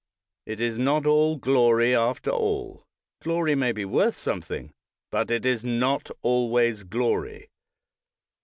It is not all glory after all. Glory may be worth something, but it is not always glory.